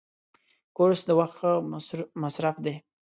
کورس د وخت ښه مصرف دی.